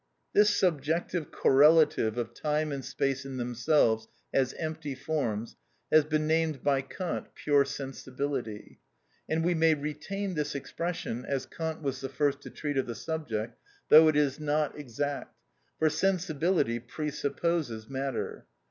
This subjective correlative of time and space in themselves as empty forms, has been named by Kant pure sensibility; and we may retain this expression, as Kant was the first to treat of the subject, though it is not exact, for sensibility presupposes matter.